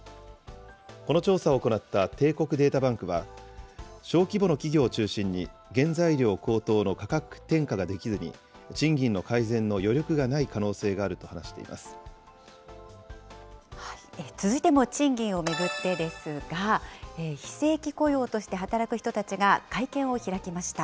この調査を行った帝国データバンクは、小規模の企業を中心に、原材料高騰の価格転嫁ができずに、賃金の改善の余力がない可能性が続いても賃金を巡ってですが、非正規雇用として働く人たちが会見を開きました。